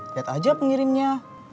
liat aja pengirinnya